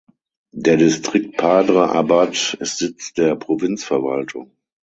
Der Distrikt Padre Abad ist Sitz der Provinzverwaltung.